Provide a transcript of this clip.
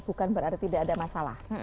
bukan berarti tidak ada masalah